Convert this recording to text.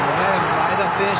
前田選手